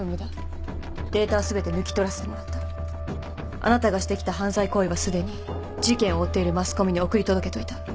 あなたがしてきた犯罪行為はすでに事件を追っているマスコミに送り届けといた。